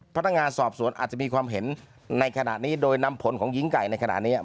พนักงานสอบสวนอาจจะมีความเห็นในขณะนี้โดยนำผลของหญิงไก่ในขณะนี้